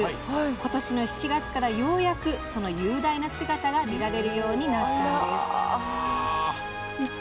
今年の７月からようやく、その雄大な姿が見られるようになったのです。